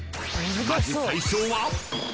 ［まず最初は］